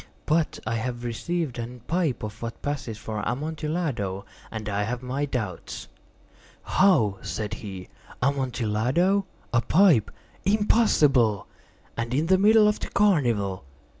But I have received a pipe of what passes for Amontillado, and I have my doubts." "How?" said he. "Amontillado? A pipe? Impossible! And in the middle of the carnival!"